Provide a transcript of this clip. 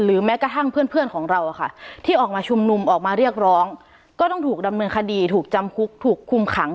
แม้กระทั่งเพื่อนของเราที่ออกมาชุมนุมออกมาเรียกร้องก็ต้องถูกดำเนินคดีถูกจำคุกถูกคุมขัง